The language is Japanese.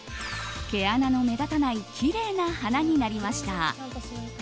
毛穴の目立たないきれいな鼻になりました。